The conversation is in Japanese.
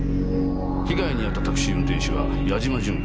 被害に遭ったタクシー運転手は八嶋淳４５歳。